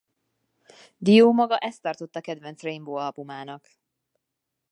Dio maga ezt tartotta kedvenc Rainbow-albumának.